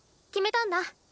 決めたんだ。